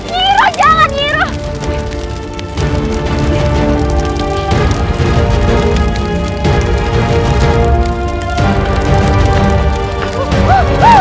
nyira jangan nyira